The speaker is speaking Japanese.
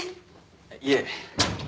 いえ。